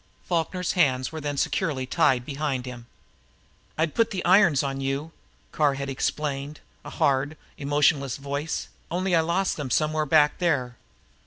Falkner's hands were then securely tied behind him. "I'd put the irons on you," Carr had explained a hard, emotionless voice, "only I lost them somewhere back there."